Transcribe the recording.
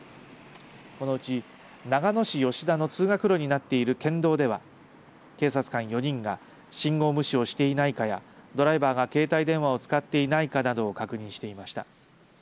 このうち長野市吉田の通学路になっている県道では警察官４人が信号無視をしていないかやドライバーが携帯電話を使っていないかなどを確認していました。